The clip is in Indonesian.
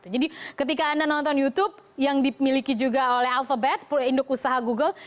jadi ketika anda menonton youtube yang dimiliki juga oleh alphabet proinduk usaha google